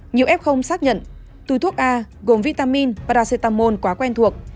nhiều f xác nhận từ thuốc a gồm vitamin paracetamol quá quen thuộc